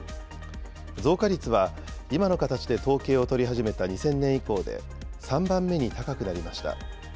増加率は、今の形で統計を取り始めた２０００年以降で３番目に高くなりました。